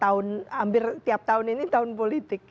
tahun hampir tiap tahun ini tahun politik